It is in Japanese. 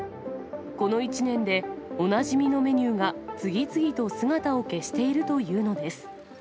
この１年でおなじみのメニューが次々と姿を消しているというのです。